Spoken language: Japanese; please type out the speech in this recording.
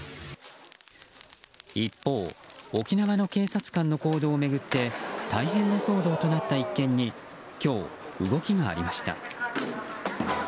一方、沖縄の警察官の行動を巡って大変な騒動となった一件に今日、動きがありました。